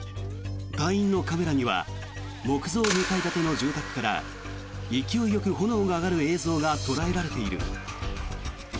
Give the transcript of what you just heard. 隊員のカメラには木造２階建ての住宅から勢いよく炎が上がる映像が捉えられている。